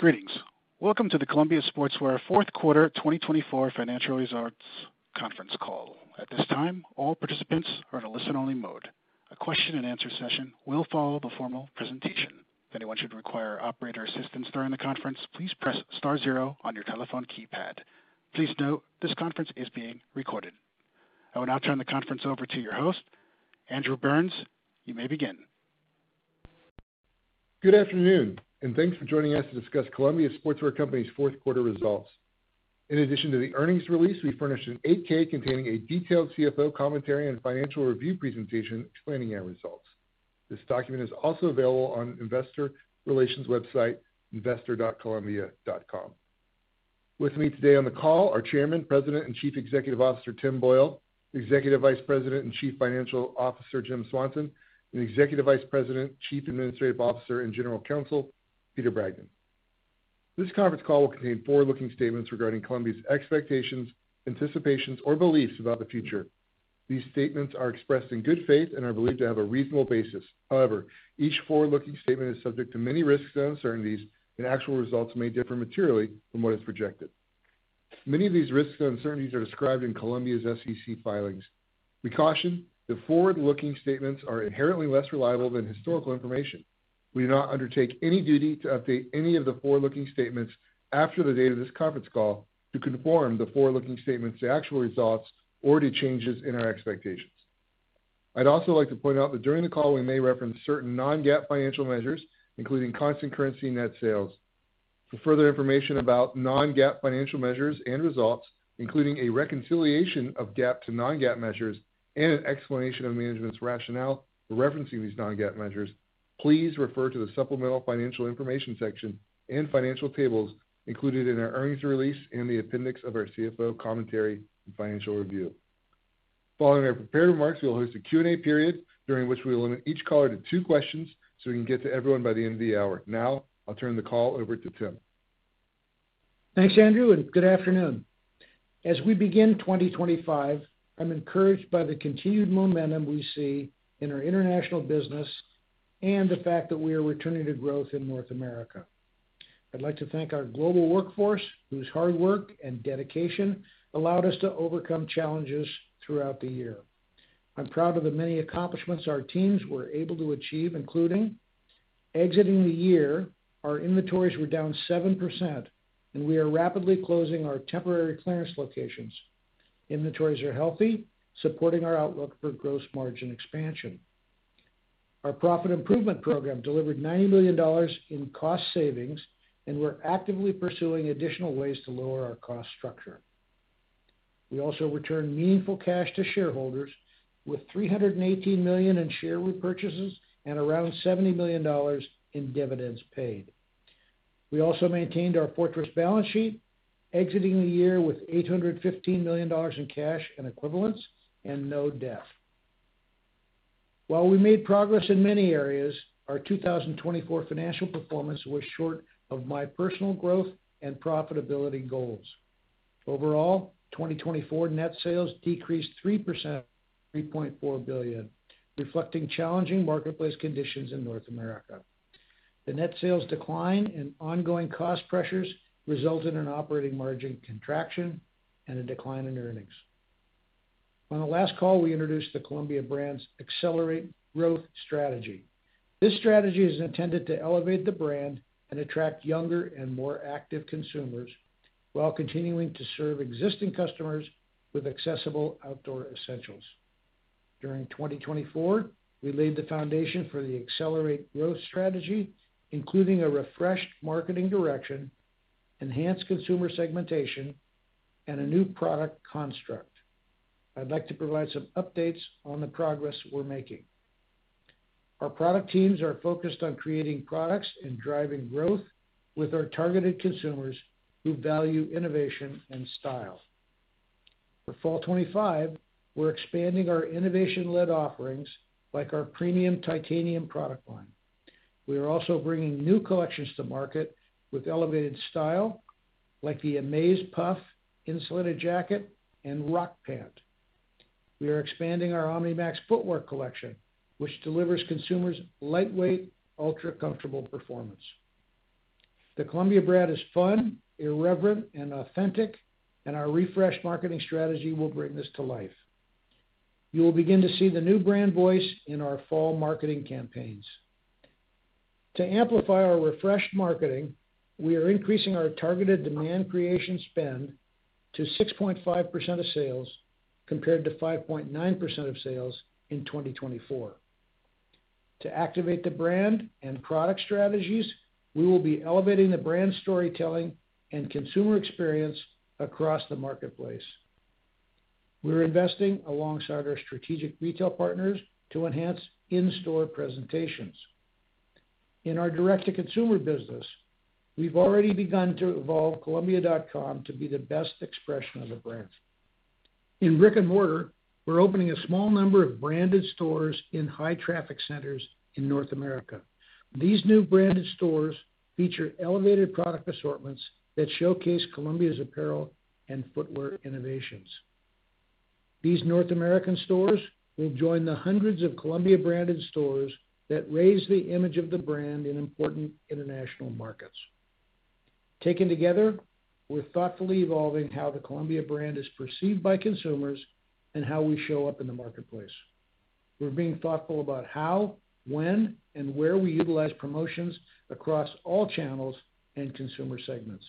Greetings. Welcome to the Columbia Sportswear Q4 2024 Financial Results Conference Call. At this time, all participants are in a listen-only mode. A question-and-answer session will follow the formal presentation. If anyone should require operator assistance during the conference, please press star zero on your telephone keypad. Please note this conference is being recorded. I will now turn the conference over to your host, Andrew Burns. You may begin. Good afternoon, and thanks for joining us to discuss Columbia Sportswear Company's Q4 results. In addition to the earnings release, we furnished an 8-K containing a detailed CFO commentary and financial review presentation explaining our results. This document is also available on investor relations website, investor.columbia.com. With me today on the call are Chairman, President, and Chief Executive Officer Tim Boyle, Executive Vice President and Chief Financial Officer Jim Swanson, and Executive Vice President, Chief Administrative Officer, and General Counsel Peter Bragdon. This conference call will contain forward-looking statements regarding Columbia's expectations, anticipations, or beliefs about the future. These statements are expressed in good faith and are believed to have a reasonable basis. However, each forward-looking statement is subject to many risks and uncertainties, and actual results may differ materially from what is projected. Many of these risks and uncertainties are described in Columbia's SEC filings. We caution that forward-looking statements are inherently less reliable than historical information. We do not undertake any duty to update any of the forward-looking statements after the date of this conference call to conform the forward-looking statements to actual results or to changes in our expectations. I'd also like to point out that during the call, we may reference certain non-GAAP financial measures, including constant currency net sales. For further information about non-GAAP financial measures and results, including a reconciliation of GAAP to non-GAAP measures and an explanation of management's rationale for referencing these non-GAAP measures, please refer to the supplemental financial information section and financial tables included in our earnings release and the appendix of our CFO commentary and financial review. Following our prepared remarks, we'll host a Q&A period during which we will limit each caller to two questions so we can get to everyone by the end of the hour. Now, I'll turn the call over to Tim. Thanks, Andrew, and good afternoon. As we begin 2025, I'm encouraged by the continued momentum we see in our international business and the fact that we are returning to growth in North America. I'd like to thank our global workforce, whose hard work and dedication allowed us to overcome challenges throughout the year. I'm proud of the many accomplishments our teams were able to achieve, including exiting the year. Our inventories were down 7%, and we are rapidly closing our temporary clearance locations. Inventories are healthy, supporting our outlook for gross margin expansion. Our profit improvement program delivered $90 million in cost savings, and we're actively pursuing additional ways to lower our cost structure. We also returned meaningful cash to shareholders with $318 million in share repurchases and around $70 million in dividends paid. We also maintained our fortress balance sheet, exiting the year with $815 million in cash and equivalents and no debt. While we made progress in many areas, our 2024 financial performance was short of my personal growth and profitability goals. Overall, 2024 net sales decreased 3%, $3.4 billion, reflecting challenging marketplace conditions in North America. The net sales decline and ongoing cost pressures resulted in operating margin contraction and a decline in earnings. On the last call, we introduced the Columbia brand's Accelerate Growth strategy. This strategy is intended to elevate the brand and attract younger and more active consumers while continuing to serve existing customers with accessible outdoor essentials. During 2024, we laid the foundation for the Accelerate Growth strategy, including a refreshed marketing direction, enhanced consumer segmentation, and a new product construct. I'd like to provide some updates on the progress we're making. Our product teams are focused on creating products and driving growth with our targeted consumers who value innovation and style. For Fall 2025, we're expanding our innovation-led offerings like our premium Titanium product line. We are also bringing new collections to market with elevated style like the Maze Puff, Insulated Jacket, and ROC Pant. We are expanding our Omni-MAX footwear collection, which delivers consumers lightweight, ultra-comfortable performance. The Columbia brand is fun, irreverent, and authentic, and our refreshed marketing strategy will bring this to life. You will begin to see the new brand voice in our fall marketing campaigns. To amplify our refreshed marketing, we are increasing our targeted demand creation spend to 6.5% of sales compared to 5.9% of sales in 2024. To activate the brand and product strategies, we will be elevating the brand storytelling and consumer experience across the marketplace. We are investing alongside our strategic retail partners to enhance in-store presentations. In our direct-to-consumer business, we've already begun to evolve Columbia.com to be the best expression of the brand. In brick and mortar, we're opening a small number of branded stores in high-traffic centers in North America. These new branded stores feature elevated product assortments that showcase Columbia's apparel and footwear innovations. These North American stores will join the hundreds of Columbia branded stores that raise the image of the brand in important international markets. Taken together, we're thoughtfully evolving how the Columbia brand is perceived by consumers and how we show up in the marketplace. We're being thoughtful about how, when, and where we utilize promotions across all channels and consumer segments.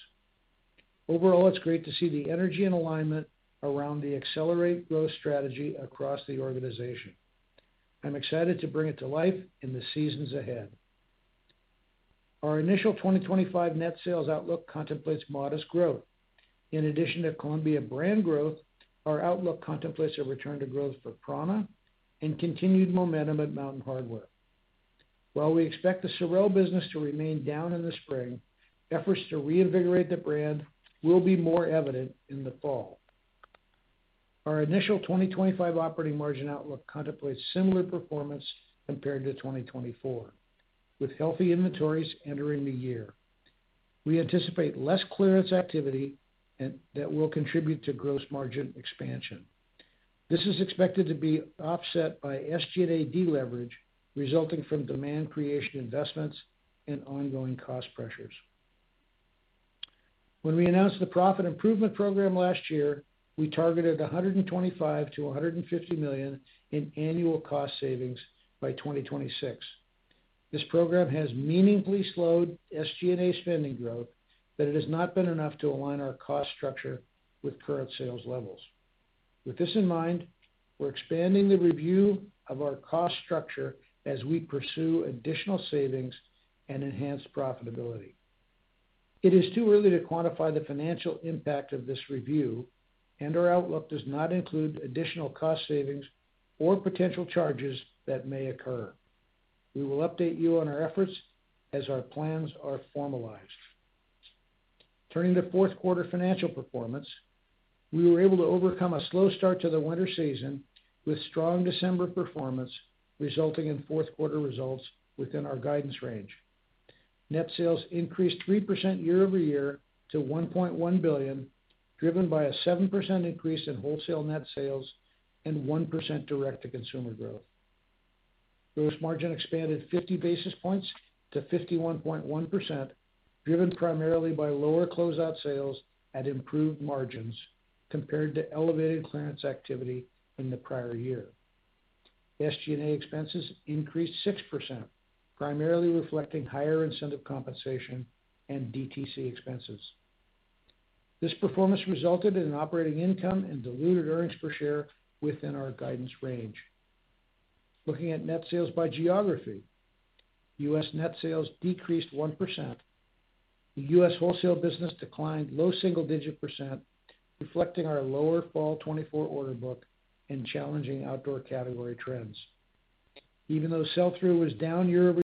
Overall, it's great to see the energy and alignment around the Accelerate Growth strategy across the organization. I'm excited to bring it to life in the seasons ahead. Our initial 2025 net sales outlook contemplates modest growth. In addition to Columbia brand growth, our outlook contemplates a return to growth for prAna and continued momentum at Mountain Hardwear. While we expect the SOREL business to remain down in the spring, efforts to reinvigorate the brand will be more evident in the fall. Our initial 2025 operating margin outlook contemplates similar performance compared to 2024, with healthy inventories entering the year. We anticipate less clearance activity that will contribute to gross margin expansion. This is expected to be offset by SG&A leverage resulting from demand creation investments and ongoing cost pressures. When we announced the profit improvement program last year, we targeted $125 million to $150 million in annual cost savings by 2026. This program has meaningfully slowed SG&A spending growth, but it has not been enough to align our cost structure with current sales levels. With this in mind, we're expanding the review of our cost structure as we pursue additional savings and enhanced profitability. It is too early to quantify the financial impact of this review, and our outlook does not include additional cost savings or potential charges that may occur. We will update you on our efforts as our plans are formalized. Turning to Q financial performance, we were able to overcome a slow start to the winter season with strong December performance resulting in Q4 results within our guidance range. Net sales increased 3% year-over-year to $1.1 billion, driven by a 7% increase in wholesale net sales and 1% direct-to-consumer growth. Gross margin expanded 50 basis points to 51.1%, driven primarily by lower closeout sales and improved margins compared to elevated clearance activity in the prior year. SG&A expenses increased 6%, primarily reflecting higher incentive compensation and DTC expenses. This performance resulted in operating income and diluted earnings per share within our guidance range. Looking at net sales by geography, US net sales decreased 1%. The US wholesale business declined low single-digit %, reflecting our lower Fall 2024 order book and challenging outdoor category trends. Even though sell-through was down year-over-year,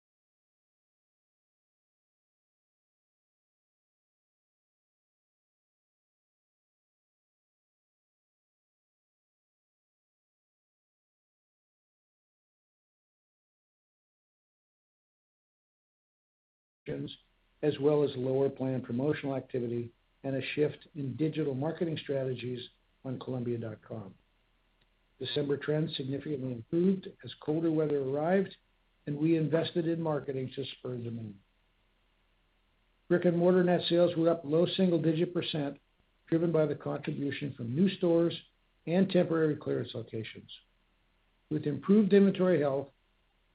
as well as lower planned promotional activity and a shift in digital marketing strategies on Columbia.com. December trends significantly improved as colder weather arrived, and we invested in marketing to spur demand. Brick and mortar net sales were up low single-digit percent, driven by the contribution from new stores and temporary clearance locations. With improved inventory health,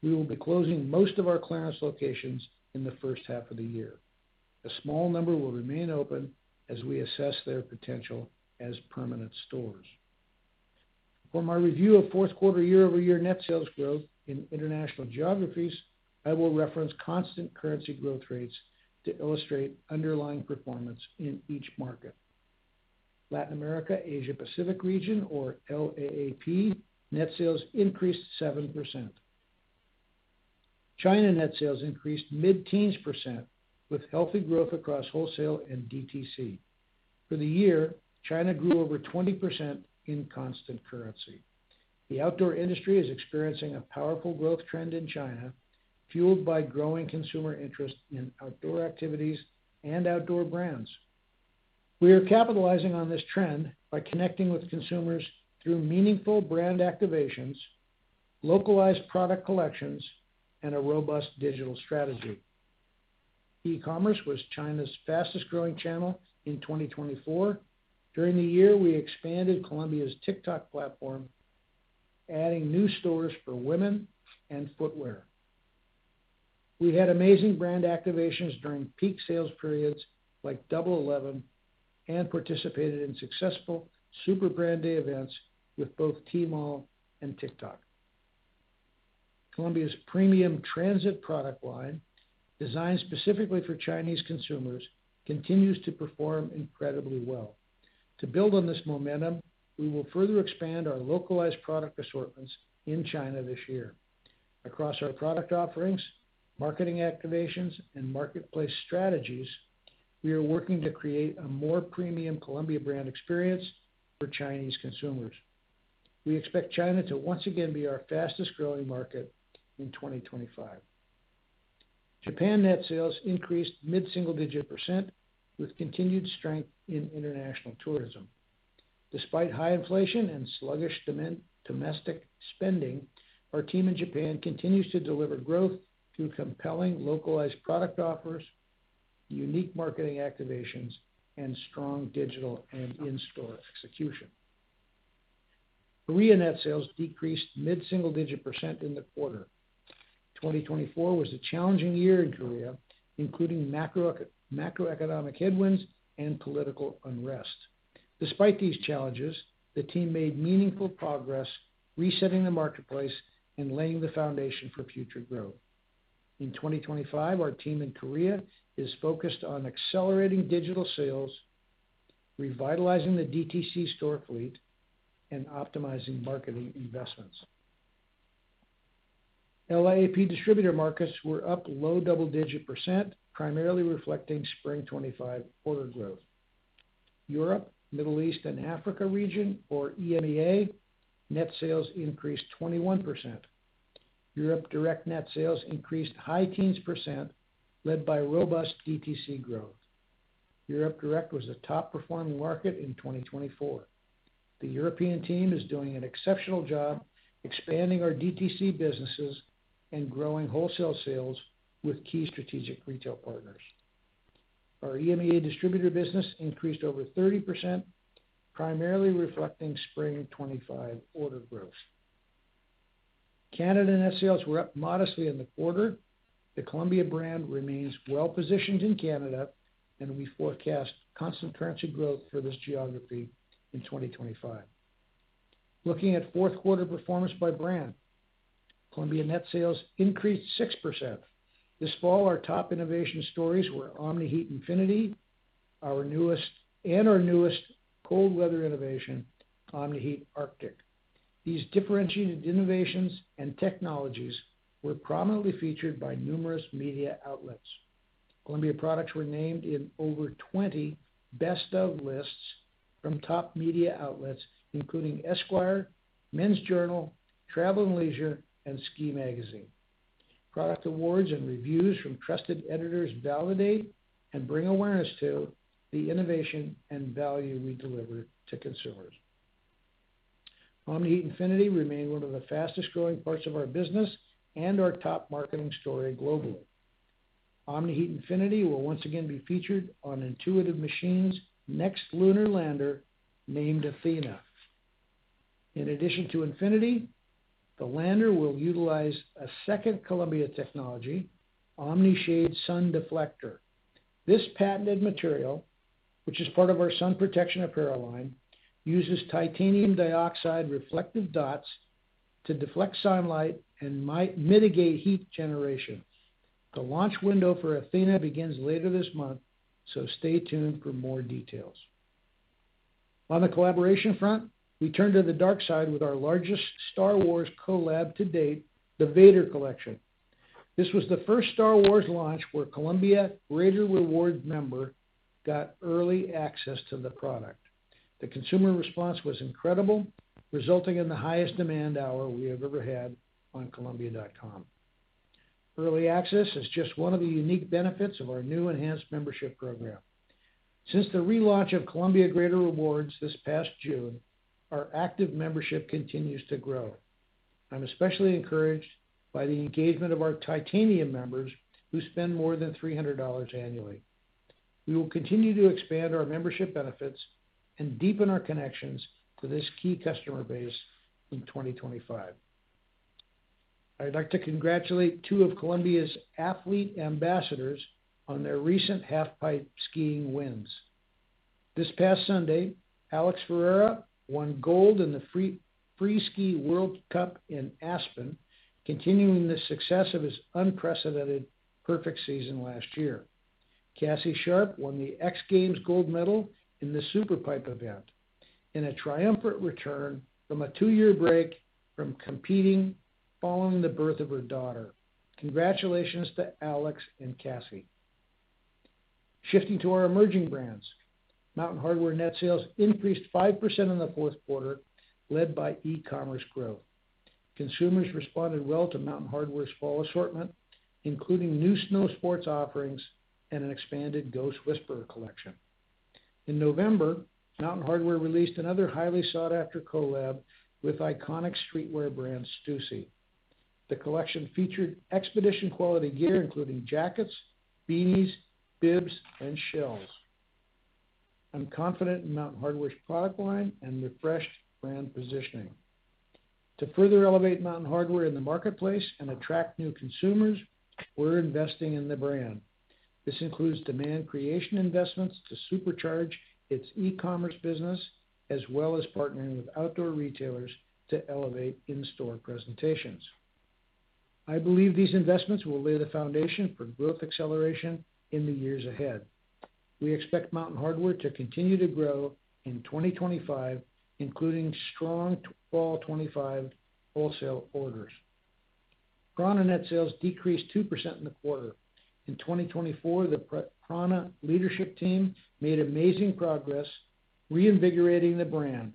we will be closing most of our clearance locations in the first half of the year. A small number will remain open as we assess their potential as permanent stores. For my review of Q4 year-over-year net sales growth in international geographies, I will reference constant currency growth rates to illustrate underlying performance in each market. Latin America/Asia-Pacific region, or LAAP, net sales increased 7%. China net sales increased mid-teens%, with healthy growth across wholesale and DTC. For the year, China grew over 20% in constant currency. The outdoor industry is experiencing a powerful growth trend in China, fueled by growing consumer interest in outdoor activities and outdoor brands. We are capitalizing on this trend by connecting with consumers through meaningful brand activations, localized product collections, and a robust digital strategy. e-commerce was China's fastest-growing channel in 2024. During the year, we expanded Columbia's TikTok platform, adding new stores for women and footwear. We had amazing brand activations during peak sales periods like Double 11 and participated in successful Super Brand Day events with both Tmall and TikTok. Columbia's premium transit product line, designed specifically for Chinese consumers, continues to perform incredibly well. To build on this momentum, we will further expand our localized product assortments in China this year. Across our product offerings, marketing activations, and marketplace strategies, we are working to create a more premium Columbia brand experience for Chinese consumers. We expect China to once again be our fastest-growing market in 2025. Japan net sales increased mid-single digit percent, with continued strength in international tourism. Despite high inflation and sluggish domestic spending, our team in Japan continues to deliver growth through compelling localized product offers, unique marketing activations, and strong digital and in-store execution. Korea net sales decreased mid-single digit percent in the quarter. 2024 was a challenging year in Korea, including macroeconomic headwinds and political unrest. Despite these challenges, the team made meaningful progress, resetting the marketplace and laying the foundation for future growth. In 2025, our team in Korea is focused on accelerating digital sales, revitalizing the DTC store fleet, and optimizing marketing investments. LAAP distributor markets were up low double-digit %, primarily reflecting Spring 2025 quarter growth. Europe, Middle East, and Africa region, or EMEA, net sales increased 21%. Europe Direct net sales increased high teens %, led by robust DTC growth. Europe Direct was a top-performing market in 2024. The European team is doing an exceptional job expanding our DTC businesses and growing wholesale sales with key strategic retail partners. Our EMEA distributor business increased over 30%, primarily reflecting Spring 2025 order growth. Canada net sales were up modestly in the quarter. The Columbia brand remains well-positioned in Canada, and we forecast constant currency growth for this geography in 2025. Looking at Q4 performance by brand, Columbia net sales increased 6%. This fall, our top innovation stories were Omni-Heat Infinity, our newest cold weather innovation, Omni-Heat Arctic. These differentiated innovations and technologies were prominently featured by numerous media outlets. Columbia products were named in over 20 best-of lists from top media outlets, including Esquire, Men's Journal, Travel + Leisure, and Ski Magazine. Product awards and reviews from trusted editors validate and bring awareness to the innovation and value we deliver to consumers. Omni-Heat Infinity remained one of the fastest-growing parts of our business and our top marketing story globally. Omni-Heat Infinity will once again be featured on Intuitive Machines' next lunar lander named Athena. In addition to Infinity, the lander will utilize a second Columbia technology, Omni-Shade Sun Deflector. This patented material, which is part of our sun protection apparel line, uses titanium dioxide reflective dots to deflect sunlight and mitigate heat generation. The launch window for Athena begins later this month, so stay tuned for more details. On the collaboration front, we turned to the dark side with our largest Star Wars collab to date, the Vader Collection. This was the first Star Wars launch where a Columbia Greater Rewards member got early access to the product. The consumer response was incredible, resulting in the highest demand hour we have ever had on Columbia.com. Early access is just one of the unique benefits of our new enhanced membership program. Since the relaunch of Columbia Greater Rewards this past June, our active membership continues to grow. I'm especially encouraged by the engagement of our Titanium members, who spend more than $300 annually. We will continue to expand our membership benefits and deepen our connections to this key customer base in 2025. I'd like to congratulate two of Columbia's athlete ambassadors on their recent halfpipe skiing wins. This past Sunday, Alex Ferreira won gold in the Freeski World Cup in Aspen, continuing the success of his unprecedented perfect season last year. Cassie Sharpe won the X Games gold medal in the SuperPipe event, in a triumphant return from a two-year break from competing following the birth of her daughter. Congratulations to Alex and Cassie. Shifting to our emerging brands, Mountain Hardwear net sales increased 5% in the Q4, led by e-commerce growth. Consumers responded well to Mountain Hardwear's fall assortment, including new snow sports offerings and an expanded Ghost Whisperer collection. In November, Mountain Hardwear released another highly sought-after collab with iconic streetwear brand Stüssy. The collection featured expedition-quality gear, including jackets, beanies, bibs, and shells. I'm confident in Mountain Hardwear's product line and refreshed brand positioning. To further elevate Mountain Hardwear in the marketplace and attract new consumers, we're investing in the brand. This includes demand creation investments to supercharge its e-commerce business, as well as partnering with outdoor retailers to elevate in-store presentations. I believe these investments will lay the foundation for growth acceleration in the years ahead. We expect Mountain Hardwear to continue to grow in 2025, including strong Fall '25 wholesale orders. prAna net sales decreased 2% in the quarter. In 2024, the prAna leadership team made amazing progress, reinvigorating the brand.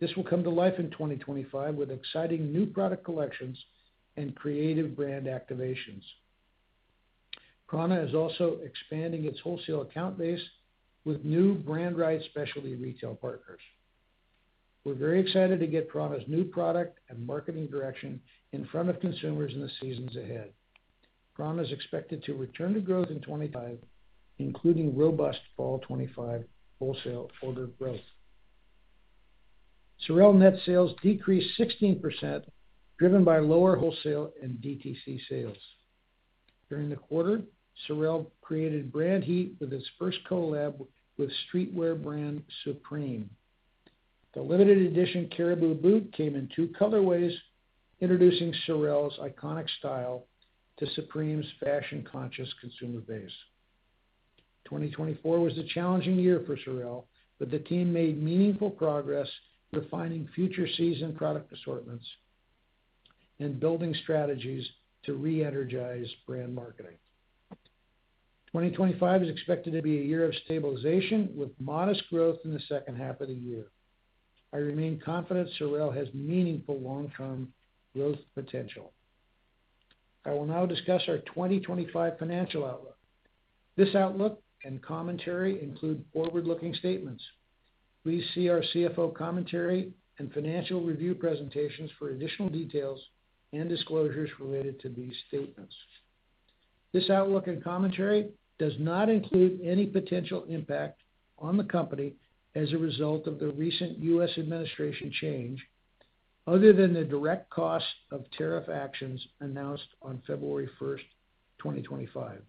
This will come to life in 2025 with exciting new product collections and creative brand activations. prAna is also expanding its wholesale account base with new brand-wide specialty retail partners. We're very excited to get prAna's new product and marketing direction in front of consumers in the seasons ahead. prAna is expected to return to growth in 2025, including robust Fall '25 wholesale order growth. SOREL net sales decreased 16%, driven by lower wholesale and DTC sales. During the quarter, SOREL created brand heat with its first collab with streetwear brand Supreme. The limited-edition Caribou boot came in two colorways, introducing SOREL's iconic style to Supreme's fashion-conscious consumer base. 2024 was a challenging year for SOREL, but the team made meaningful progress refining future season product assortments and building strategies to re-energize brand marketing. 2025 is expected to be a year of stabilization with modest growth in the second half of the year. I remain confident SOREL has meaningful long-term growth potential. I will now discuss our 2025 financial outlook. This outlook and commentary include forward-looking statements. Please see our CFO commentary and financial review presentations for additional details and disclosures related to these statements. This outlook and commentary does not include any potential impact on the company as a result of the recent US administration change, other than the direct cost of tariff actions announced on February 1, 2025.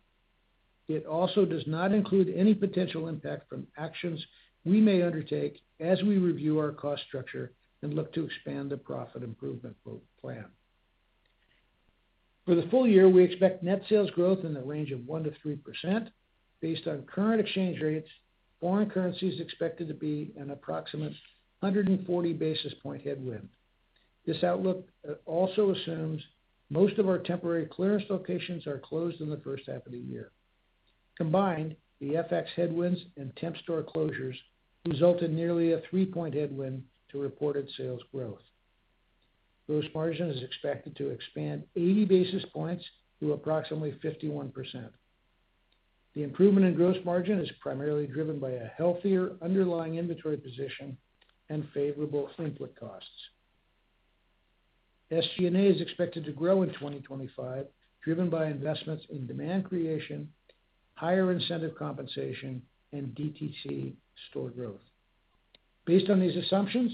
It also does not include any potential impact from actions we may undertake as we review our cost structure and look to expand the profit improvement plan. For the full year, we expect net sales growth in the range of 1%-3%. Based on current exchange rates, foreign currency is expected to be an approximate 140 basis point headwind. This outlook also assumes most of our temporary clearance locations are closed in the first half of the year. Combined, the FX headwinds and temp store closures result in nearly a three-point headwind to reported sales growth. Gross margin is expected to expand 80 basis points to approximately 51%. The improvement in gross margin is primarily driven by a healthier underlying inventory position and favorable input costs. SG&A is expected to grow in 2025, driven by investments in demand creation, higher incentive compensation, and DTC store growth. Based on these assumptions,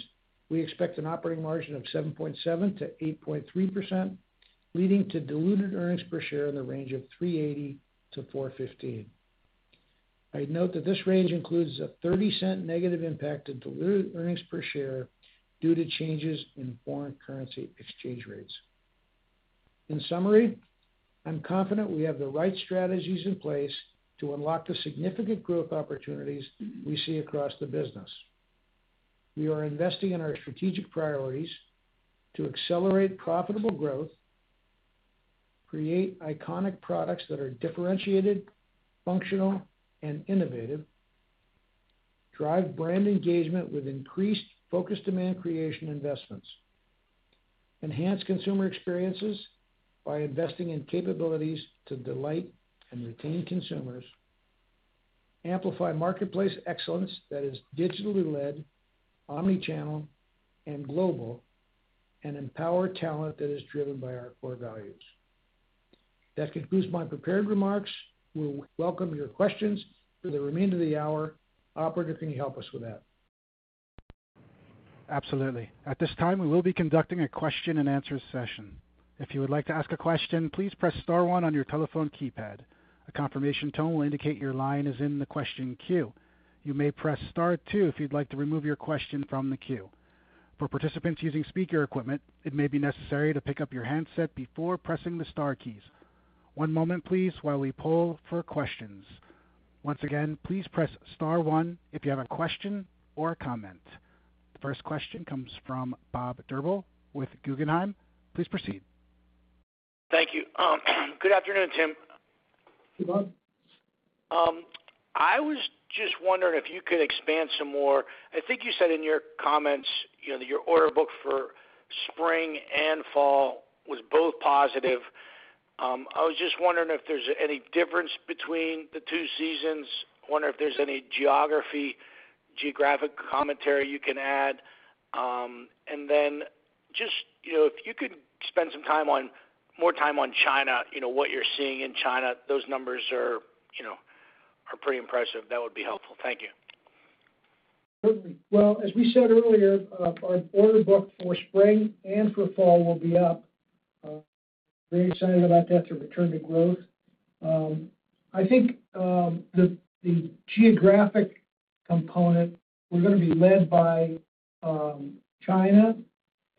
we expect an operating margin of 7.7%-8.3%, leading to diluted earnings per share in the range of 380-415. I'd note that this range includes a $0.30 negative impact to diluted earnings per share due to changes in foreign currency exchange rates. In summary, I'm confident we have the right strategies in place to unlock the significant growth opportunities we see across the business. We are investing in our strategic priorities to accelerate profitable growth, create iconic products that are differentiated, functional, and innovative, drive brand engagement with increased focus demand creation investments, enhance consumer experiences by investing in capabilities to delight and retain consumers, amplify marketplace excellence that is digitally led, omnichannel, and global, and empower talent that is driven by our core values. That concludes my prepared remarks. We welcome your questions for the remainder of the hour. Operator, can you help us with that? Absolutely. At this time, we will be conducting a question-and-answer session. If you would like to ask a question, please press star one on your telephone keypad. A confirmation tone will indicate your line is in the question queue. You may press star two if you'd like to remove your question from the queue. For participants using speaker equipment, it may be necessary to pick up your handset before pressing the Star keys. One moment, please, while we poll for questions. Once again, please press star one if you have a question or a comment. The first question comes from Bob Drbul with Guggenheim. Please proceed. Thank you. Good afternoon, Tim. Hey, Bob. I was just wondering if you could expand some more. I think you said in your comments that your order book for Spring and Fall was both positive. I was just wondering if there's any difference between the two seasons. I wonder if there's any geography, geographic commentary you can add. And then just if you could spend some more time on China, what you're seeing in China, those numbers are pretty impressive. That would be helpful. Thank you. Certainly. As we said earlier, our order book for Spring and for Fall will be up, very excited about that, the return to growth. I think the geographic component, we're going to be led by China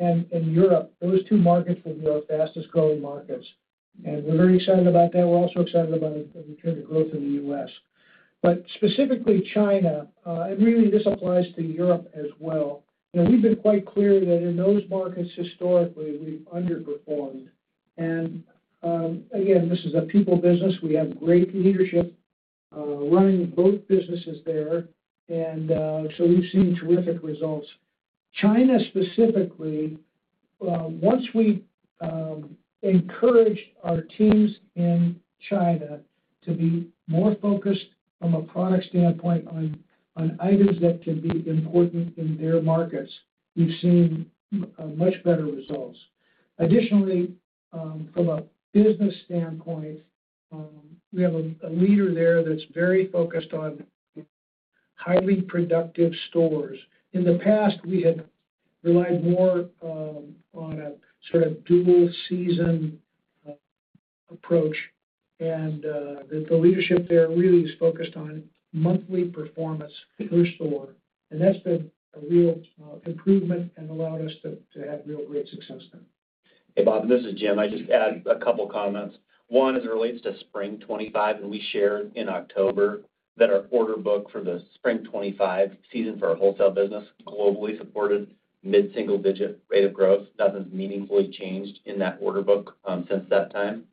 and Europe. Those two markets will be our fastest-growing markets, and we're very excited about that. We're also excited about the return to growth in the US, but specifically China, and really this applies to Europe as well. We've been quite clear that in those markets historically, we've underperformed, and again, this is a people business. We have great leadership running both businesses there, and so we've seen terrific results. China specifically, once we encouraged our teams in China to be more focused from a product standpoint on items that can be important in their markets, we've seen much better results. Additionally, from a business standpoint, we have a leader there that's very focused on highly productive stores. In the past, we had relied more on a sort of dual-season approach, and the leadership there really is focused on monthly performance per store. And that's been a real improvement and allowed us to have real great success there. Hey, Bob, this is Jim. I just add a couple of comments. One, as it relates to Spring 2025, and we shared in October that our order book for the Spring 2025 season for our wholesale business globally supported mid-single digit rate of growth. Nothing's meaningfully changed in that order book since that time.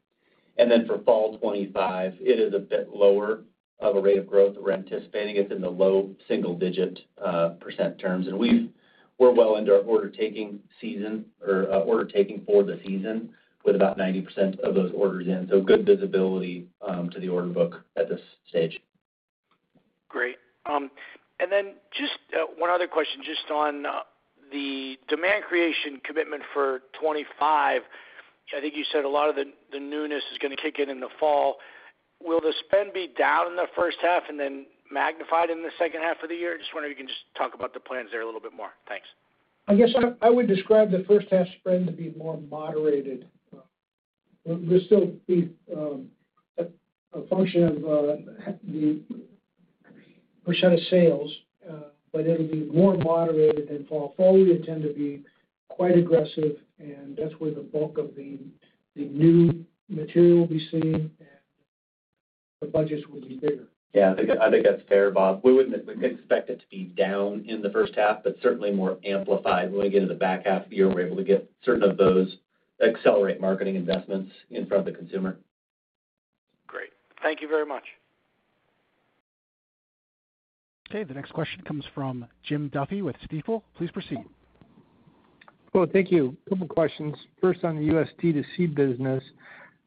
And then for Fall 2025, it is a bit lower of a rate of growth that we're anticipating. It's in the low single-digit % terms. And we're well into our order-taking season or order-taking for the season with about 90% of those orders in. So good visibility to the order book at this stage. Great. And then just one other question, just on the demand creation commitment for 2025. I think you said a lot of the newness is going to kick in in the fall. Will the spend be down in the first half and then magnified in the second half of the year? Just wondering if you can just talk about the plans there a little bit more. Thanks. I guess I would describe the first half spend to be more moderated. We'll still be a function of the percent of sales, but it'll be more moderated in fall. Fall, we intend to be quite aggressive, and that's where the bulk of the new material will be seen, and the budgets will be bigger. Yeah, I think that's fair, Bob. We wouldn't expect it to be down in the first half, but certainly more amplified when we get into the back half of the year. We're able to get certain of those accelerate marketing investments in front of the consumer. Great. Thank you very much. Okay. The next question comes from Jim Duffy with Stifel. Please proceed. Well, thank you. A couple of questions. First, on the DTC business,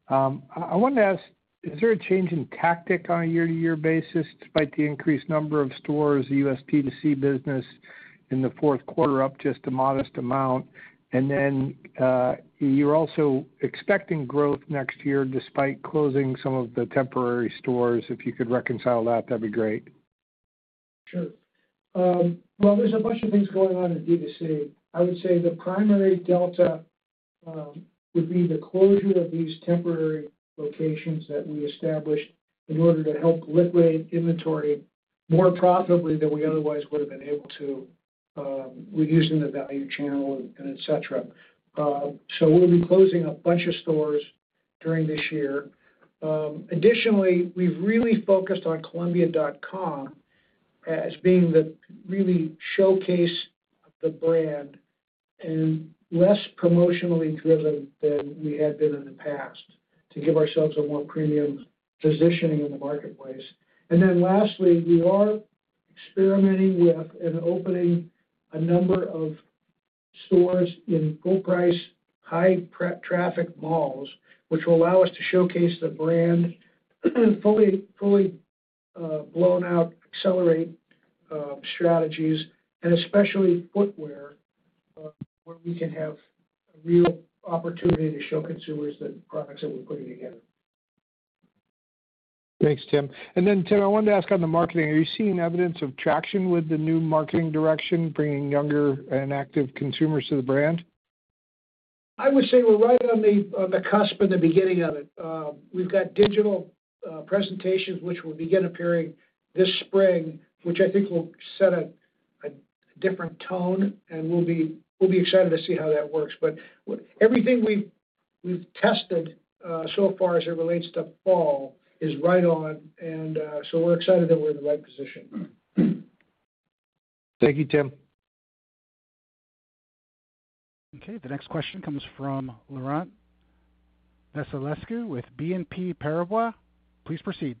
I wanted to ask, is there a change in tactic on a year-to-year basis despite the increased number of stores? The DTC business in the Q4 up just a modest amount. You're also expecting growth next year despite closing some of the temporary stores. If you could reconcile that, that'd be great. Sure. There's a bunch of things going on at DTC. I would say the primary delta would be the closure of these temporary locations that we established in order to help liquidate inventory more profitably than we otherwise would have been able to, reducing the value channel and etc. So we'll be closing a bunch of stores during this year. Additionally, we've really focused on Columbia.com as being the really showcase of the brand and less promotionally driven than we had been in the past to give ourselves a more premium positioning in the marketplace. And then lastly, we are experimenting with and opening a number of stores in full-price, high-traffic malls, which will allow us to showcase the brand fully blown-out accelerate strategies, and especially footwear where we can have a real opportunity to show consumers the products that we're putting together. Thanks, Tim. And then, Tim, I wanted to ask on the marketing. Are you seeing evidence of traction with the new marketing direction, bringing younger and active consumers to the brand? I would say we're right on the cusp and the beginning of it. We've got digital presentations, which will begin appearing this spring, which I think will set a different tone. And we'll be excited to see how that works. But everything we've tested so far as it relates to Fall is right on. And so we're excited that we're in the right position. Thank you, Tim. Okay. The next question comes from Laurent Vasilescu with BNP Paribas. Please proceed.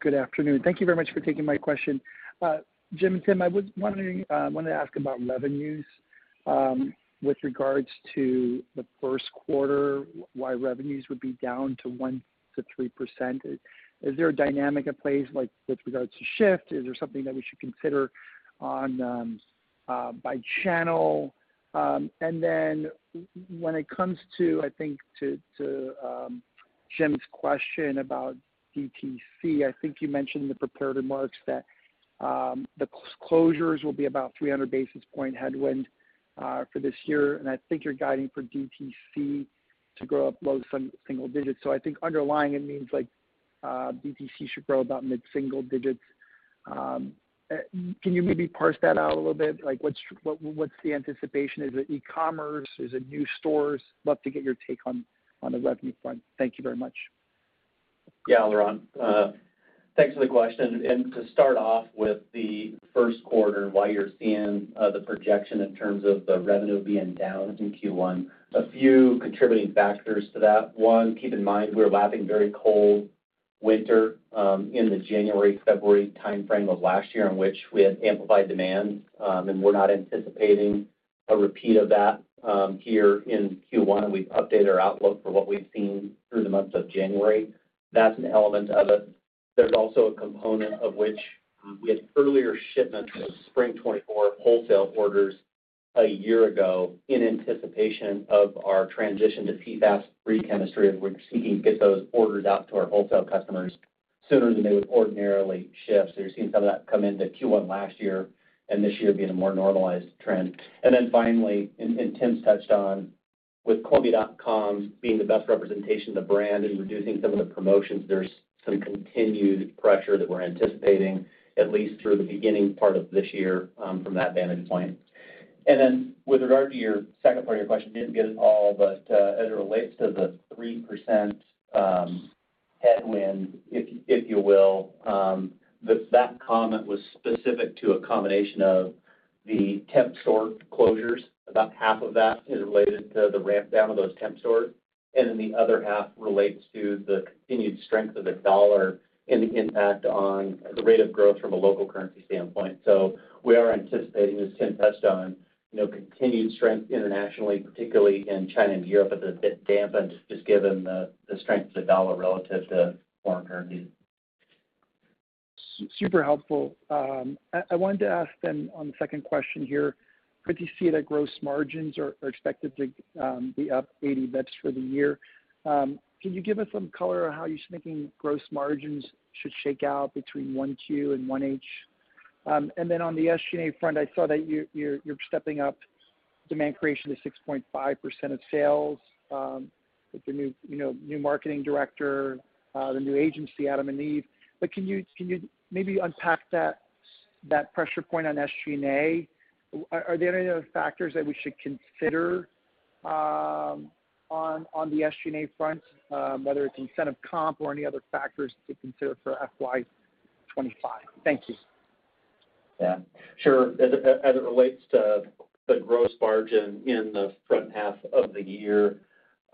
Good afternoon. Thank you very much for taking my question. Jim and Tim, I wanted to ask about revenues with regards to the Q1, why revenues would be down 1% to 3%. Is there a dynamic in place with regards to shift? Is there something that we should consider by channel? And then when it comes to, I think, to Jim's question about DTC, I think you mentioned in the prepared remarks that the closures will be about 300 basis points headwind for this year. And I think you're guiding for DTC to grow low single digits. So I think underlying it means DTC should grow about mid-single digits. Can you maybe parse that out a little bit? What's the anticipation? Is it e-commerce? Is it new stores? Love to get your take on the revenue front. Thank you very much. Yeah, Laurent. Thanks for the question. And to start off with the Q1, why you're seeing the projection in terms of the revenue being down in Q1, a few contributing factors to that. One, keep in mind we're lapping very cold winter in the January-February timeframe of last year in which we had amplified demand, and we're not anticipating a repeat of that here in Q1. We've updated our outlook for what we've seen through the month of January. That's an element of it. There's also a component of which we had earlier shipments of Spring 2024 wholesale orders a year ago in anticipation of our transition to PFAS-free chemistry. We're seeking to get those orders out to our wholesale customers sooner than they would ordinarily ship. You're seeing some of that come into Q1 last year and this year, being a more normalized trend. And then finally, and Tim's touched on, with Columbia.com being the best representation of the brand and reducing some of the promotions, there's some continued pressure that we're anticipating, at least through the beginning part of this year from that vantage point. And then with regard to your second part of your question, didn't get it all, but as it relates to the 3% headwind, if you will, that comment was specific to a combination of the temp store closures. About half of that is related to the ramp down of those temp stores. And then the other half relates to the continued strength of the dollar and the impact on the rate of growth from a local currency standpoint. So we are anticipating, as Tim touched on, continued strength internationally, particularly in China and Europe, but a bit dampened just given the strength of the dollar relative to foreign currencies. Super helpful. I wanted to ask then on the second question here, could you see that gross margins are expected to be up 80 basis points for the year? Can you give us some color on how you're thinking gross margins should shake out between 1Q and 1H? And then on the SG&A front, I saw that you're stepping up demand creation to 6.5% of sales with the new marketing director, the new agency, Adam and Eve. But can you maybe unpack that pressure point on SG&A? Are there any other factors that we should consider on the SG&A front, whether it's incentive comp or any other factors to consider for FY25? Thank you. Yeah. Sure. As it relates to the gross margin in the front half of the year,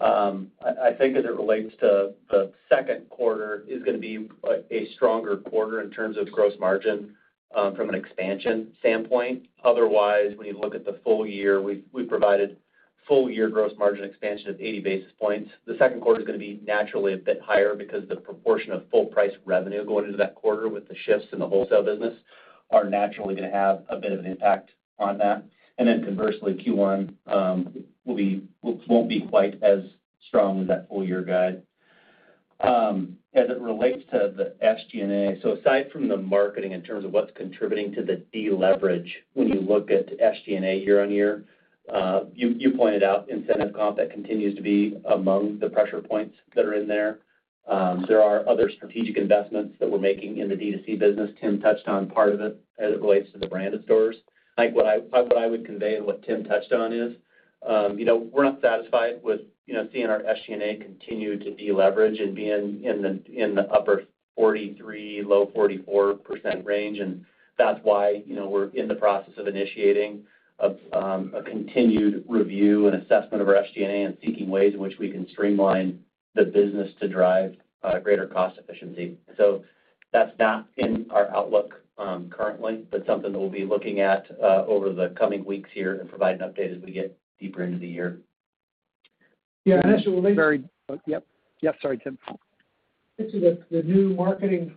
I think as it relates to the Q2, it's going to be a stronger quarter in terms of gross margin from an expansion standpoint. Otherwise, when you look at the full year, we've provided full-year gross margin expansion of 80 basis points. The Q2 is going to be naturally a bit higher because the proportion of full-price revenue going into that quarter with the shifts in the wholesale business are naturally going to have a bit of an impact on that, and then conversely, Q1 won't be quite as strong as that full-year guide. As it relates to the SG&A, so aside from the marketing in terms of what's contributing to the deleverage, when you look at SG&A year on year, you pointed out incentive comp that continues to be among the pressure points that are in there. There are other strategic investments that we're making in the DTC business. Tim touched on part of it as it relates to the brand of stores. What I would convey and what Tim touched on is we're not satisfied with seeing our SG&A continue to deleverage and being in the upper 43%-low 44% range. And that's why we're in the process of initiating a continued review and assessment of our SG&A and seeking ways in which we can streamline the business to drive greater cost efficiency. So that's not in our outlook currently, but something that we'll be looking at over the coming weeks here and provide an update as we get deeper into the year. Yeah. And actually, we'll make. Yep. Yep. Sorry, Tim. This is the new marketing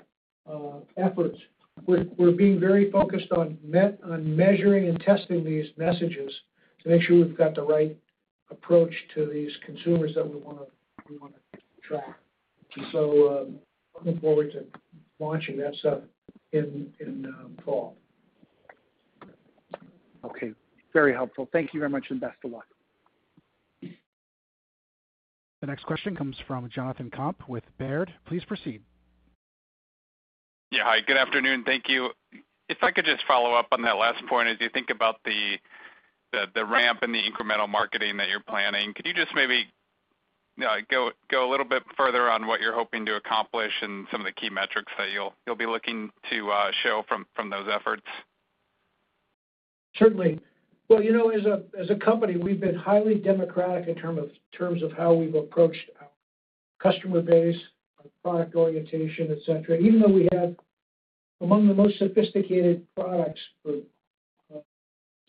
efforts. We're being very focused on measuring and testing these messages to make sure we've got the right approach to these consumers that we want to track. And so looking forward to launching that stuff in fall. Okay. Very helpful. Thank you very much and best of luck. The next question comes from Jonathan Komp with Baird. Please proceed. Yeah. Hi. Good afternoon. Thank you. If I could just follow up on that last point, as you think about the ramp and the incremental marketing that you're planning, could you just maybe go a little bit further on what you're hoping to accomplish and some of the key metrics that you'll be looking to show from those efforts? Certainly. Well, as a company, we've been highly democratic in terms of how we've approached our customer base, our product orientation, etc. Even though we have among the most sophisticated products for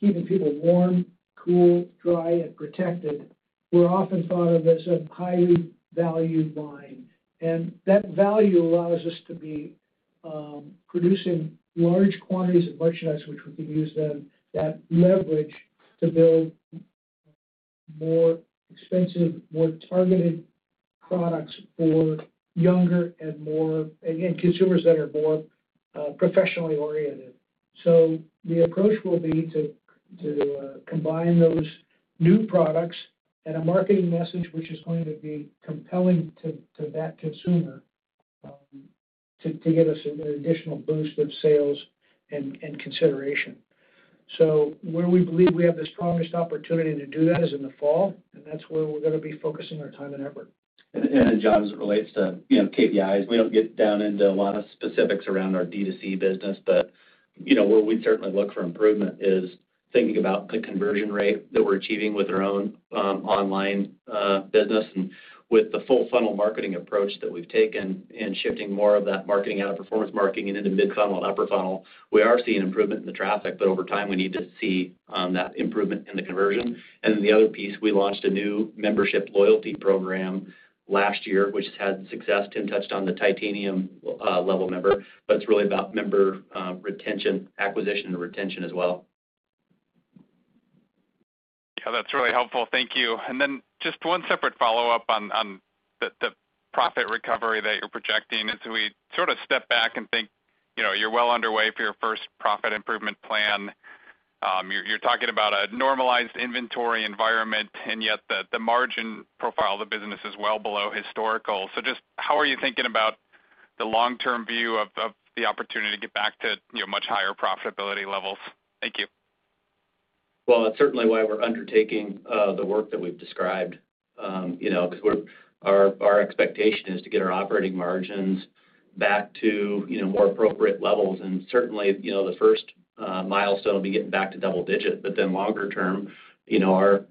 keeping people warm, cool, dry, and protected, we're often thought of as a highly valued line. And that value allows us to be producing large quantities of merchandise, which we can use then that leverage to build more expensive, more targeted products for younger and consumers that are more professionally oriented. So the approach will be to combine those new products and a marketing message which is going to be compelling to that consumer to give us an additional boost of sales and consideration. So where we believe we have the strongest opportunity to do that is in the Fall, and that's where we're going to be focusing our time and effort. And the job as it relates to KPIs, we don't get down into a lot of specifics around our DTC business, but where we'd certainly look for improvement is thinking about the conversion rate that we're achieving with our own online business. And with the full-funnel marketing approach that we've taken and shifting more of that marketing out of performance marketing and into mid-funnel and upper funnel, we are seeing improvement in the traffic, but over time, we need to see that improvement in the conversion. And then the other piece, we launched a new membership loyalty program last year, which has had success. Tim touched on the Titanium level member, but it's really about member retention, acquisition, and retention as well. Yeah. That's really helpful. Thank you. And then just one separate follow-up on the profit recovery that you're projecting. As we sort of step back and think, you're well underway for your first profit improvement plan, you're talking about a normalized inventory environment, and yet the margin profile of the business is well below historical. So just how are you thinking about the long-term view of the opportunity to get back to much higher profitability levels? Thank you. Well, it's certainly why we're undertaking the work that we've described because our expectation is to get our operating margins back to more appropriate levels. And certainly, the first milestone will be getting back to double digits. But then longer term, our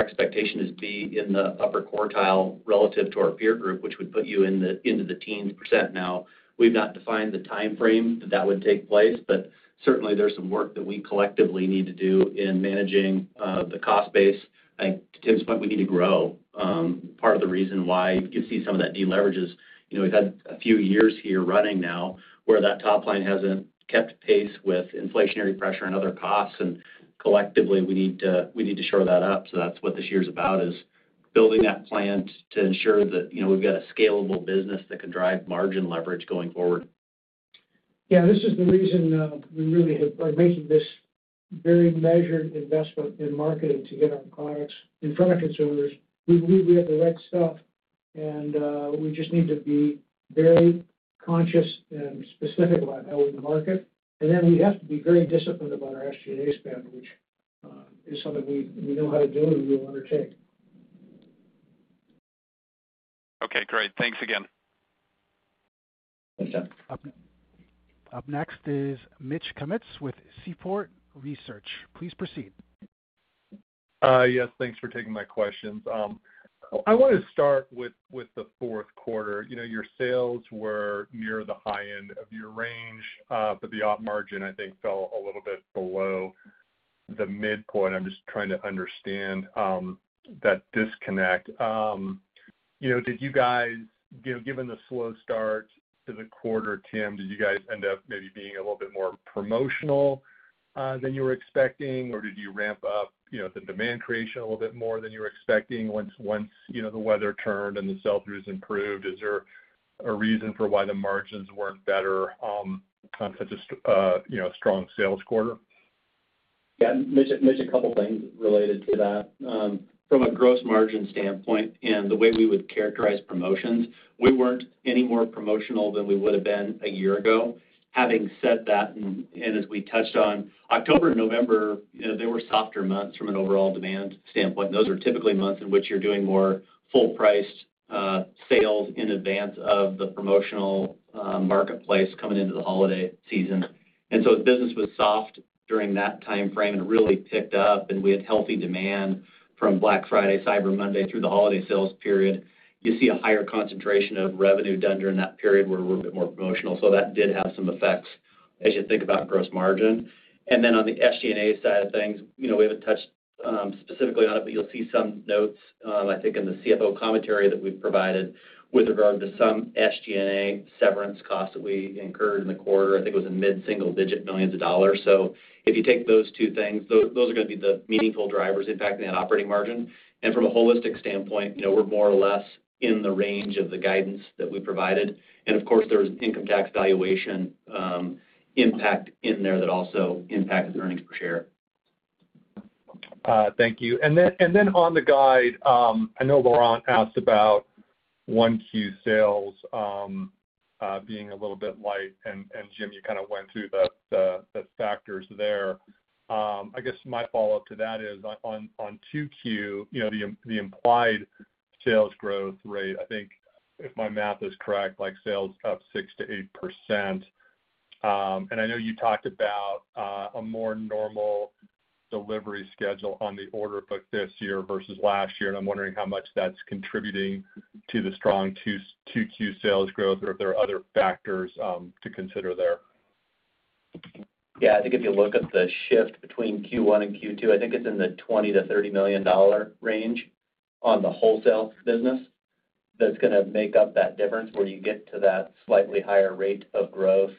expectation is to be in the upper quartile relative to our peer group, which would put you into the teens%. Now, we've not defined the timeframe that that would take place, but certainly, there's some work that we collectively need to do in managing the cost base. I think to Tim's point, we need to grow. Part of the reason why you see some of that deleverage is we've had a few years here running now where that top line hasn't kept pace with inflationary pressure and other costs. And collectively, we need to shore that up. So that's what this year's about, is building that plant to ensure that we've got a scalable business that can drive margin leverage going forward. Yeah. This is the reason we really are making this very measured investment in marketing to get our products in front of consumers. We believe we have the right stuff, and we just need to be very conscious and specific about how we market, and then we have to be very disciplined about our SG&A spend, which is something we know how to do and we will undertake. Okay. Great. Thanks again. Thanks, Tim. Up next is Mitch Kummetz with Seaport Research. Please proceed. Yes. Thanks for taking my questions. I want to start with the Q4. Your sales were near the high end of your range, but the op margin, I think, fell a little bit below the midpoint. I'm just trying to understand that disconnect. Did you guys, given the slow start to the quarter, Tim, did you guys end up maybe being a little bit more promotional than you were expecting, or did you ramp up the demand creation a little bit more than you were expecting once the weather turned and the sell-throughs improved? Is there a reason for why the margins weren't better on such a strong sales quarter? Yeah. Mitch, a couple of things related to that. From a gross margin standpoint and the way we would characterize promotions, we weren't any more promotional than we would have been a year ago. Having said that, and as we touched on, October and November, they were softer months from an overall demand standpoint. Those are typically months in which you're doing more full-priced sales in advance of the promotional marketplace coming into the holiday season. And so, if business was soft during that timeframe and it really picked up and we had healthy demand from Black Friday, Cyber Monday through the holiday sales period, you see a higher concentration of revenue done during that period where we're a bit more promotional. So that did have some effects as you think about gross margin. And then, on the SG&A side of things, we haven't touched specifically on it, but you'll see some notes, I think, in the CFO commentary that we've provided with regard to some SG&A severance costs that we incurred in the quarter. I think it was a mid-single digit millions of dollars. So if you take those two things, those are going to be the meaningful drivers impacting that operating margin. And from a holistic standpoint, we're more or less in the range of the guidance that we provided. Of course, there was income tax valuation impact in there that also impacted earnings per share. Thank you. And then on the guide, I know Laurent asked about 1Q sales being a little bit light, and Jim, you kind of went through the factors there. I guess my follow-up to that is on 2Q, the implied sales growth rate, I think, if my math is correct, sales up 6%-8%. And I know you talked about a more normal delivery schedule on the order book this year versus last year, and I'm wondering how much that's contributing to the strong 2Q sales growth or if there are other factors to consider there. Yeah. To give you a look at the shift between Q1 and Q2, I think it's in the $20 million-$30 million range on the wholesale business that's going to make up that difference where you get to that slightly higher rate of growth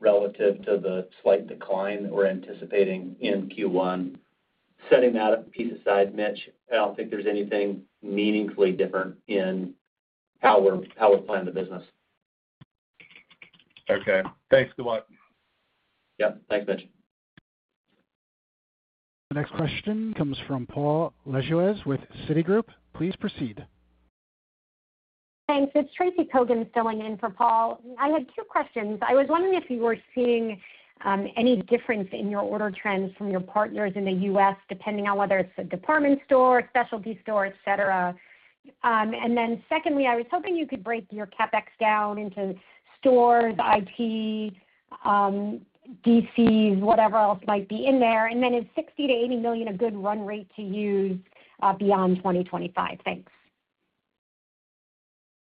relative to the slight decline that we're anticipating in Q1. Setting that piece aside, Mitch, I don't think there's anything meaningfully different in how we're planning the business. Okay. Thanks a lot. Yep. Thanks, Mitch. The next question comes from Paul Lejuez with Citi. Please proceed. Thanks. It's Tracy Kogan filling in for Paul. I had two questions. I was wondering if you were seeing any difference in your order trends from your partners in the US, depending on whether it's a department store, specialty store, etc. And then secondly, I was hoping you could break your CapEx down into stores, IT, DCs, whatever else might be in there. And then is $60 million-$80 million a good run rate to use beyond 2025? Thanks.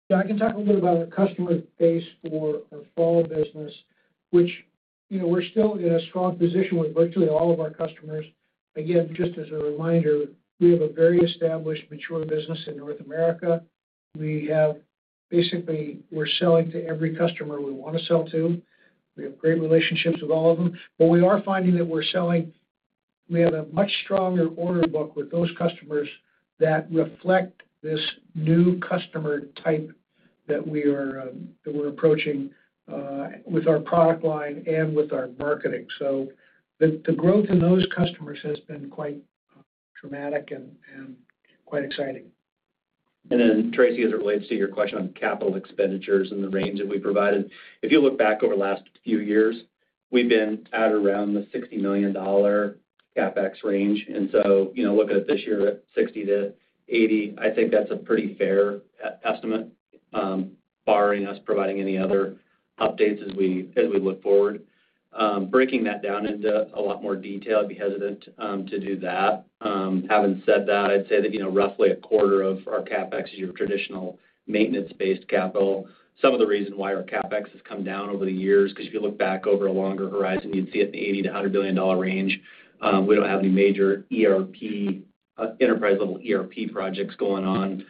Yeah. I can talk a little bit about our customer base for our fall business, which we're still in a strong position with virtually all of our customers. Again, just as a reminder, we have a very established, mature business in North America. Basically, we're selling to every customer we want to sell to. We have great relationships with all of them. But we are finding that we're selling, we have a much stronger order book with those customers that reflect this new customer type that we're approaching with our product line and with our marketing. So the growth in those customers has been quite dramatic and quite exciting. Then Tracy, as it relates to your question on capital expenditures and the range that we provided, if you look back over the last few years, we've been at around the $60 million CapEx range. So looking at this year at $60-$80 million, I think that's a pretty fair estimate, barring us providing any other updates as we look forward. Breaking that down into a lot more detail, I'd be hesitant to do that. Having said that, I'd say that roughly a quarter of our CapEx is your traditional maintenance-based capital. Some of the reason why our CapEx has come down over the years is because if you look back over a longer horizon, you'd see it in the $80-$100 million range. We don't have any major enterprise-level ERP projects going on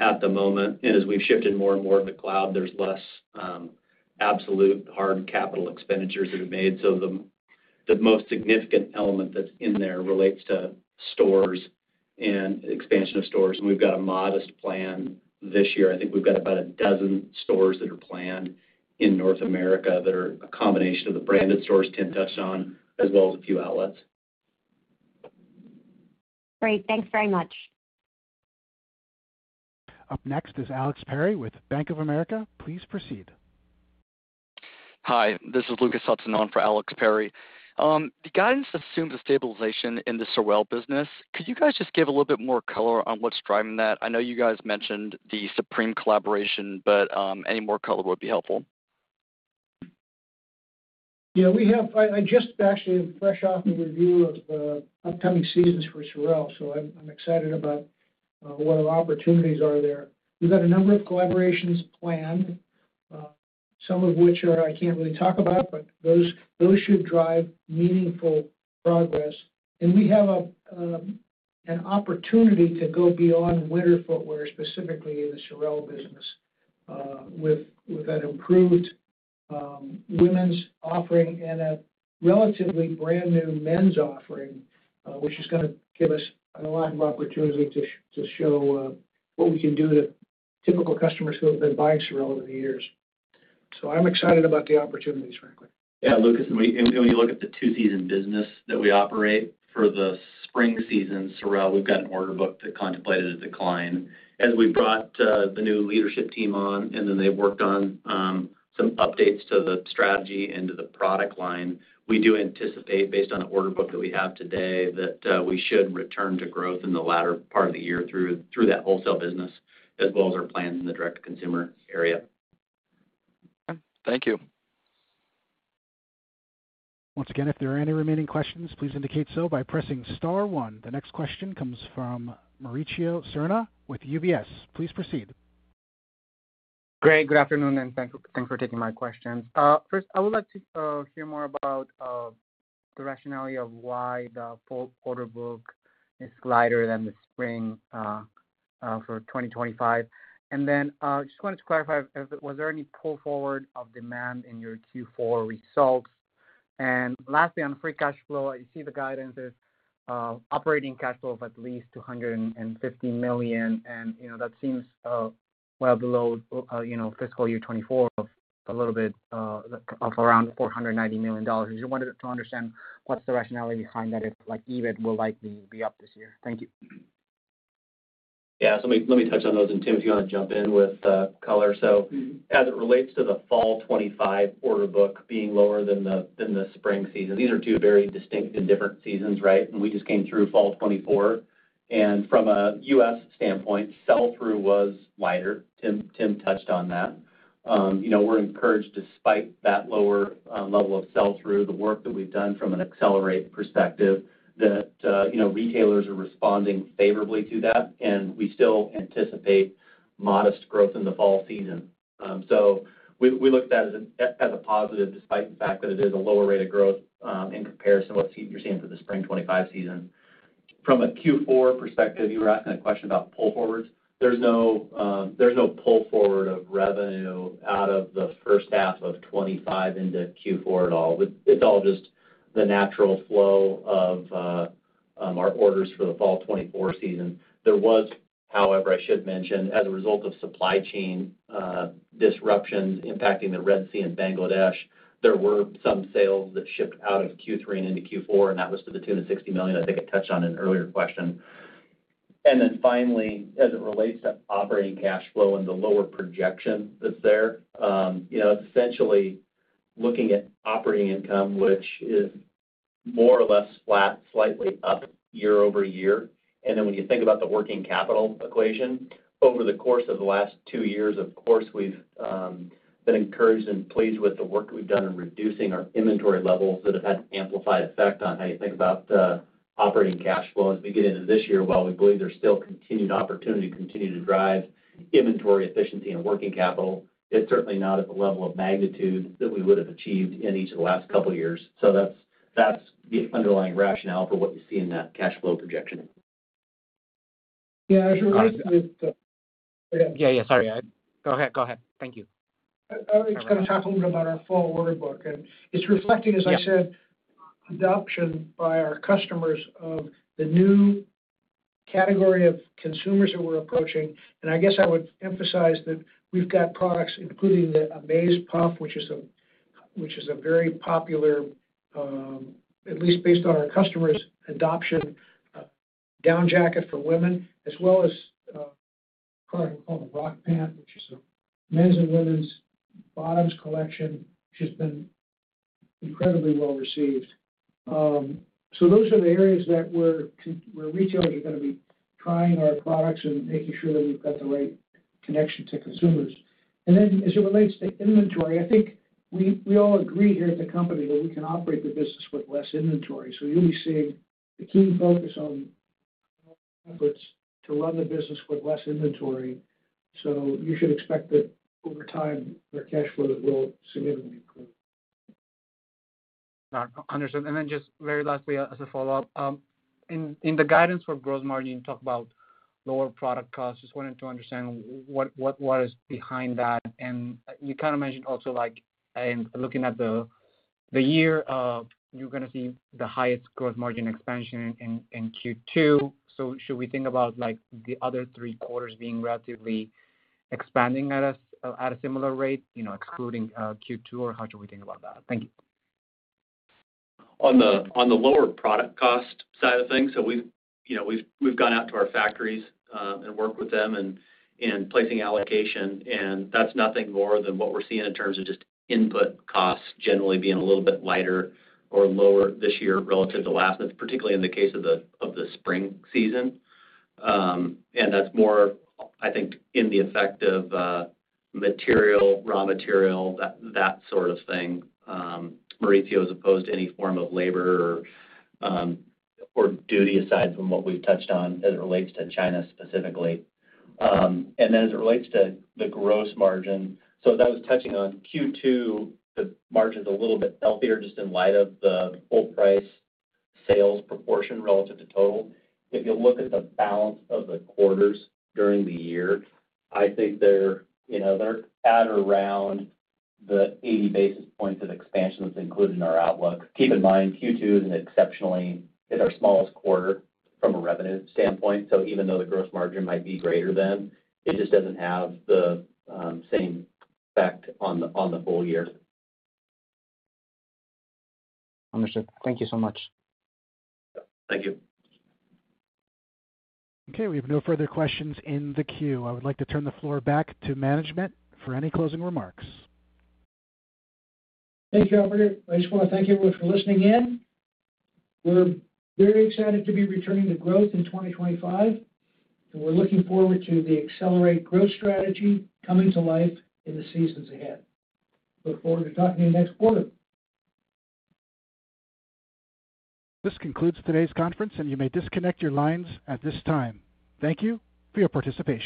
at the moment. As we've shifted more and more to the cloud, there's less absolute hard capital expenditures that are made. The most significant element that's in there relates to stores and expansion of stores. We've got a modest plan this year. I think we've got about a dozen stores that are planned in North America that are a combination of the branded stores Tim touched on, as well as a few outlets. Great. Thanks very much. Up next is Alex Perry with Bank of America. Please proceed. Hi. This is Lucas Hudson on for Alex Perry. The guidance assumes a stabilization in the apparel business. Could you guys just give a little bit more color on what's driving that? I know you guys mentioned the Supreme collaboration, but any more color would be helpful. Yeah. I just actually am fresh off the review of the upcoming seasons for Sorel, so I'm excited about what our opportunities are there. We've got a number of collaborations planned, some of which I can't really talk about, but those should drive meaningful progress, and we have an opportunity to go beyond winter footwear, specifically in the Sorel business, with an improved women's offering and a relatively brand new men's offering, which is going to give us a lot of opportunity to show what we can do to typical customers who have been buying Sorel over the years, so I'm excited about the opportunities, frankly. Yeah. Lucas, when you look at the two-season business that we operate for the spring season SOREL, we've got an order book that contemplated a decline as we brought the new leadership team on, and then they've worked on some updates to the strategy and to the product line. We do anticipate, based on the order book that we have today, that we should return to growth in the latter part of the year through that wholesale business, as well as our plans in the direct-to-consumer area. Thank you. Once again, if there are any remaining questions, please indicate so by pressing star one. The next question comes from Mauricio Serna with UBS. Please proceed. Great. Good afternoon, and thanks for taking my questions. First, I would like to hear more about the rationale of why the full quarter book is lighter than the spring for 2025. And then I just wanted to clarify, was there any pull forward of demand in your Q4 results? And lastly, on free cash flow, I see the guidance is operating cash flow of at least $250 million, and that seems well below fiscal year 2024 of a little bit of around $490 million. I just wanted to understand what's the rationale behind that, if EBIT will likely be up this year. Thank you. Yeah. So let me touch on those. And Tim, if you want to jump in with color. So as it relates to the fall 2025 order book being lower than the spring season, these are two very distinct and different seasons, right? And we just came through fall 2024. And from a US standpoint, sell-through was lighter. Tim touched on that. We're encouraged, despite that lower level of sell-through, the work that we've done from an accelerate perspective, that retailers are responding favorably to that, and we still anticipate modest growth in the fall season, so we look at that as a positive, despite the fact that it is a lower rate of growth in comparison to what you're seeing for the spring 2025 season. From a Q4 perspective, you were asking a question about pull forwards. There's no pull forward of revenue out of the first half of 2025 into Q4 at all. It's all just the natural flow of our orders for the fall 2024 season. There was, however, I should mention, as a result of supply chain disruptions impacting the Red Sea and Bangladesh, there were some sales that shipped out of Q3 and into Q4, and that was to the tune of $60 million, I think I touched on in an earlier question, and then finally, as it relates to operating cash flow and the lower projection that's there, it's essentially looking at operating income, which is more or less flat, slightly up year-over-year, and then when you think about the working capital equation, over the course of the last two years, of course, we've been encouraged and pleased with the work we've done in reducing our inventory levels that have had an amplified effect on how you think about operating cash flow as we get into this year. While we believe there's still continued opportunity to continue to drive inventory efficiency and working capital, it's certainly not at the level of magnitude that we would have achieved in each of the last couple of years. So that's the underlying rationale for what you see in that cash flow projection. I was going to talk a little bit about our fall order book, and it's reflecting, as I said, adoption by our customers of the new category of consumers that we're approaching, and I guess I would emphasize that we've got products, including the Amaze Puff, which is a very popular, at least based on our customers' adoption, down jacket for women, as well as a product we call the ROC Pant, which is a men's and women's bottoms collection. It's just been incredibly well received. So those are the areas where retailers are going to be trying our products and making sure that we've got the right connection to consumers. And then as it relates to inventory, I think we all agree here at the company that we can operate the business with less inventory. So you'll be seeing a key focus on efforts to run the business with less inventory. So you should expect that over time, our cash flows will significantly improve. Understood. And then just very lastly, as a follow-up, in the guidance for gross margin, you talk about lower product costs. Just wanted to understand what is behind that. And you kind of mentioned also, looking at the year, you're going to see the highest gross margin expansion in Q2. Should we think about the other three quarters being relatively expanding at a similar rate, excluding Q2, or how should we think about that? Thank you. On the lower product cost side of things, so we've gone out to our factories and worked with them in placing allocation, and that's nothing more than what we're seeing in terms of just input costs generally being a little bit lighter or lower this year relative to last month, particularly in the case of the spring season. That's more, I think, in the effect of material, raw material, that sort of thing, Mauricio, as opposed to any form of labor or duty aside from what we've touched on as it relates to China specifically. And then as it relates to the gross margin, so as I was touching on Q2, the margin's a little bit healthier just in light of the full price sales proportion relative to total. If you look at the balance of the quarters during the year, I think they're at or around the 80 basis points of expansion that's included in our outlook. Keep in mind, Q2 is an exceptionally, it's our smallest quarter from a revenue standpoint. So even though the gross margin might be greater than, it just doesn't have the same effect on the full year. Understood. Thank you so much. Thank you. Okay. We have no further questions in the queue. I would like to turn the floor back to management for any closing remarks. Thank you, Albert. I just want to thank everyone for listening in. We're very excited to be returning to growth in 2025, and we're looking forward to the Accelerate Growth strategy coming to life in the seasons ahead. Look forward to talking to you next quarter. This concludes today's conference, and you may disconnect your lines at this time. Thank you for your participation.